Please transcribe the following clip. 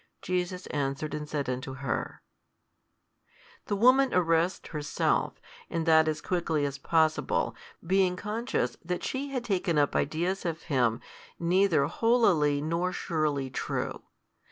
Jesus answered and said unto her, The woman arrests herself, and that as quickly as possible, being conscious that she had taken up ideas of Him neither holily nor surely true.